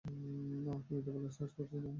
আমাকে মিথ্যে বলার সাহস করছিস, হ্যাঁ?